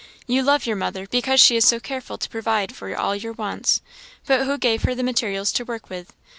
You love your mother, because she is so careful to provide for all your wants; but who gave her the materials to work with?